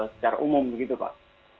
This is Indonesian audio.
secara umum begitu pak